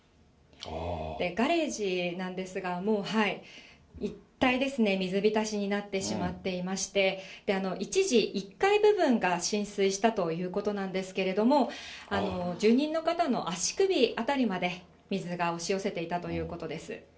ガレージなんですが、もう一帯ですね、水浸しになってしまっていまして、一時、１階部分が浸水したということなんですけれども、住人の方の足首辺りまで水が押し寄せていたということです。